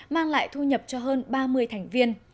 mang lại thu nhập cho hơn ba mươi thành viên